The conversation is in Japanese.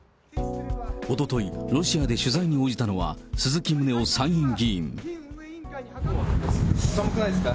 おととい、ロシアで取材に応じたのは、寒くないですか？